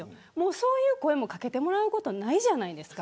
そういう声も掛けてもらうことないじゃないですか。